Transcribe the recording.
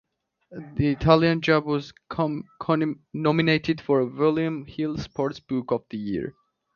"The Italian Job" was nominated for the William Hill Sports Book of the Year.